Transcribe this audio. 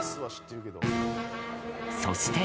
そして。